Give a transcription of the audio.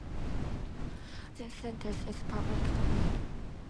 This sentence is public domain.